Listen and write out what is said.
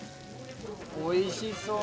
おいしそう！